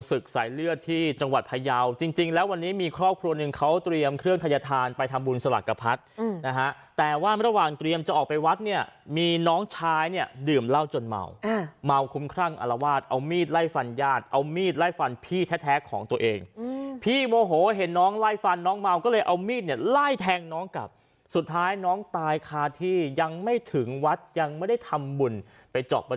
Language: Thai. ศึกใส่เลือดที่จังหวัดพายาวจริงแล้ววันนี้มีครอบครัวหนึ่งเขาเตรียมเครื่องทัยทานไปทำบุญสลักกะพัดนะฮะแต่ว่าระหว่างเตรียมจะออกไปวัดเนี่ยมีน้องชายเนี่ยดื่มเหล้าจนเมาเมาคุ้มครั่งอลวาดเอามีดไล่ฟันญาติเอามีดไล่ฟันพี่แท้ของตัวเองพี่โมโหเห็นน้องไล่ฟันน้องเมาก็เลยเอามีดเนี่ยไล่